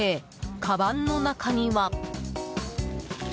かばんの中には。